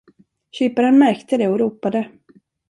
Kyparen märkte det och ropade.